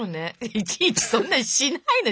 いちいちそんなのしないの！